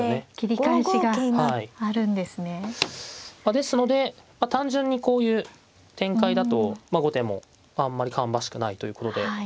ですので単純にこういう展開だと後手もあんまり芳しくないということで。